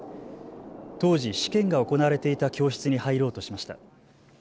当時、試験が行われていた教室に入ろうとしました。